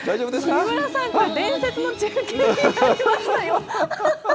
木村さん、伝説の中継になりましたよ。